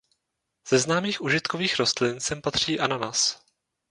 Ze známých užitkových rostlin sem patří ananas.